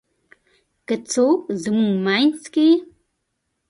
که څوک زمونږ مينځ کې :